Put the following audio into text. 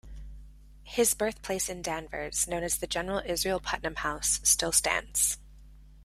His birthplace in Danvers, known as the General Israel Putnam House, still stands.